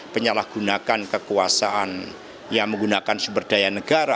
penyalahgunakan kekuasaan yang menggunakan sumber daya negara